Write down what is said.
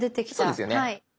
そうですよね。